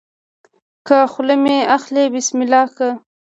که خوله مې اخلې بسم الله که